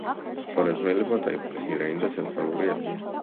ხვარაზმელებმა დაიპყრეს ირანი და ცენტრალური აზია.